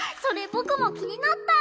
僕も気になった！